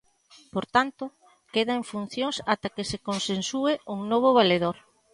Por tanto, queda en funcións ata que se consensúe un novo valedor.